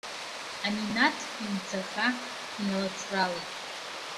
Аминаҭ имцаха иналыцралеит.